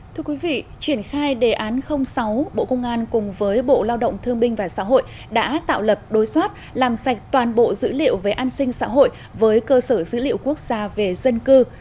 thưa quý vị triển khai đề án sáu bộ công an cùng với bộ lao động thương binh và xã hội đã tạo lập đối soát làm sạch toàn bộ dữ liệu về an sinh xã hội với cơ sở dữ liệu quốc gia về dân cư